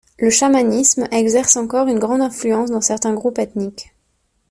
Le chamanisme exerce encore une grande influence dans certains groupes ethniques.